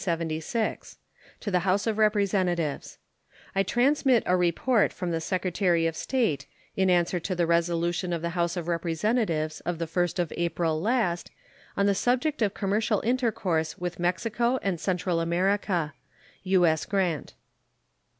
To the House of Representatives: I transmit a report from the Secretary of State, in answer to the resolution of the House of Representatives of the 1st of April last, on the subject of commercial intercourse with Mexico and Central America. U.S. GRANT.